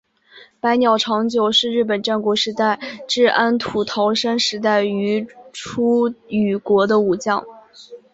白鸟长久是日本战国时代至安土桃山时代于出羽国的武将。